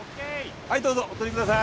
はいどうぞお通りください。